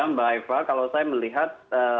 mbak eva kalau saya melihat